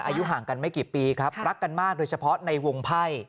อายุห่างกันไม่กี่ปีครับรักกันมากโดยเฉพาะในวงไพ่